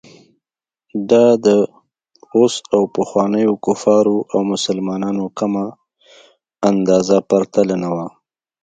دا د اوس او پخوانیو کفارو او مسلمانانو کمه اندازه پرتلنه وه.